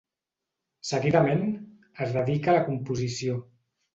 Seguidament, es dedica a la composició.